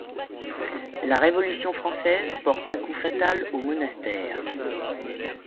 La Révolution française porte un coup fatal au monastère.